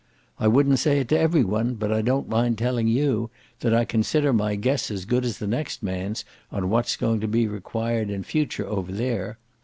I wouldn't say it to every one, but I don't mind telling you, that I consider my guess as good as the next man's on what's going to be required in future over there.